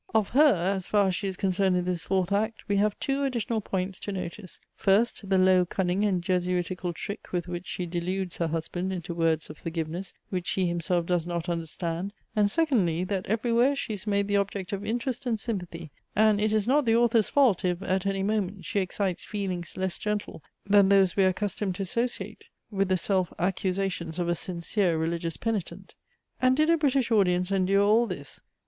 Of her, as far as she is concerned in this fourth act, we have two additional points to notice: first, the low cunning and Jesuitical trick with which she deludes her husband into words of forgiveness, which he himself does not understand; and secondly, that everywhere she is made the object of interest and sympathy, and it is not the author's fault, if, at any moment, she excites feelings less gentle, than those we are accustomed to associate with the self accusations of a sincere religious penitent. And did a British audience endure all this?